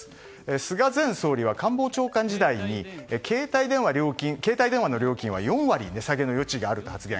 菅前総理は官房長官時代に携帯電話の料金は４割値下げの余地があると発言。